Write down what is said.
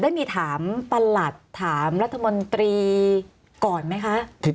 ได้มีถามประหลัดถามรัฐมนตรีก่อนไหมคะ